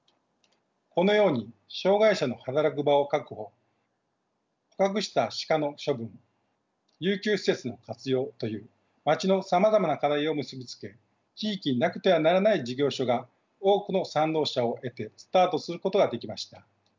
このように障害者の働く場を確保捕獲した鹿の処分遊休施設の活用という町のさまざまな課題を結び付け地域になくてはならない事業所が多くの賛同者を得てスタートすることができました。